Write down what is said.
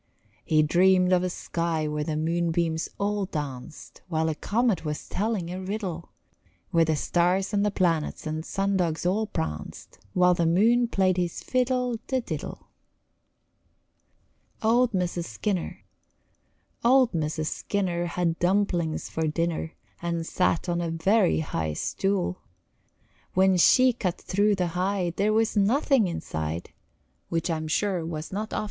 He dreamed of a sky where the moonbeams all danced While a comet was telling a riddle, Where the stars and the planets and sun dogs all pranced While the moon played his fiddle de diddle. OLD MISSUS SKINNER Old Missus Skinner Had dumplings for dinner And sat on a very high stool; When she cut thru the hide There was nothing inside, Which I'm sure was not often the rule.